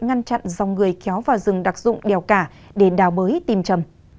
ngăn chặn dòng người kéo vào rừng đặc dụng đèo cả để đào bới tìm chầm